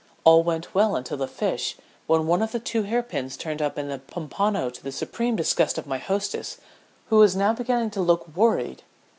All went well until the fish, when one of the two hair pins turned up in the pompano to the supreme disgust of my hostess, who was now beginning to look worried.